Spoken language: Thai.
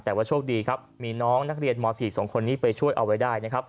แล้วมีน้องนักเรียนม๔๒คนนี้ไปช่วยเอาไว้ได้นะคะ